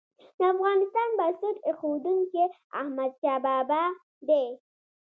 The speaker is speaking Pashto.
د افغانستان بنسټ ايښودونکی احمدشاه بابا دی.